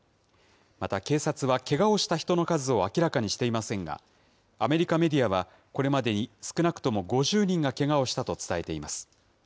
また、警察はけがをした人の数を明らかにしていませんが、アメリカメディアはこれまでに、少なくとも５０人がけがをしたと伝えています。